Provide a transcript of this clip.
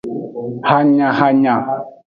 Hanyahanya.